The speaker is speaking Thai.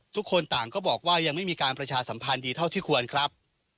ทุกคนต่างก็บอกว่ายังไม่มีการประชาสัมพันธ์ดีเท่าที่ควรครับ